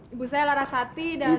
ibu saya lara sati dan